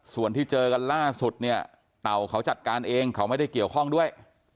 ส่วนที่เจอกันล่าสุดเนี่ยเต่าเขาจัดการเองเขาไม่ได้เกี่ยวข้องด้วย